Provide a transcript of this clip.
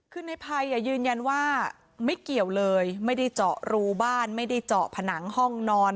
คือในภัยยืนยันว่าไม่เกี่ยวเลยไม่ได้เจาะรูบ้านไม่ได้เจาะผนังห้องนอน